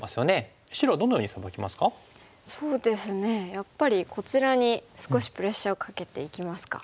やっぱりこちらに少しプレッシャーをかけていきますか。